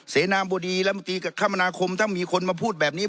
เสนาบุรีรัฐมนตรีคมนาคมถ้ามีคนมาพูดแบบนี้